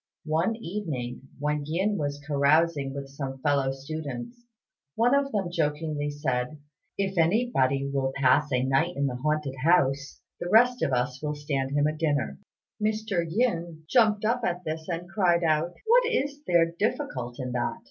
One evening when Yin was carousing with some fellow students, one of them jokingly said, "If anybody will pass a night in the haunted house, the rest of us will stand him a dinner." Mr. Yin jumped up at this, and cried out, "What is there difficult in that?"